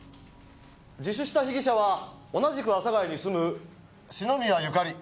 自首した被疑者は同じく阿佐谷に住む篠宮ゆかり。